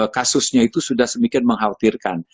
kasusnya itu sudah semikian mengkhawatirkan